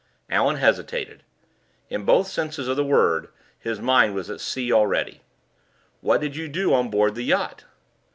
Allan hesitated. In both senses of the word his mind was at sea already. "What did you do on board the yacht?"